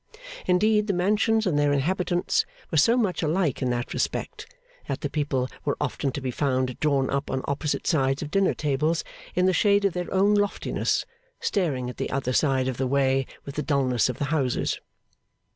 Indeed, the mansions and their inhabitants were so much alike in that respect, that the people were often to be found drawn up on opposite sides of dinner tables, in the shade of their own loftiness, staring at the other side of the way with the dullness of the houses.